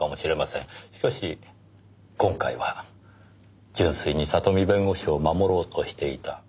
しかし今回は純粋に里見弁護士を守ろうとしていた。